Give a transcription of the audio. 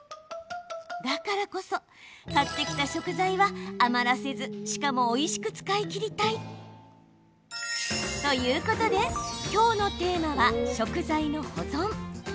だからこそ買ってきた食材は余らせずしかも、おいしく使い切りたいということできょうのテーマは食材の保存。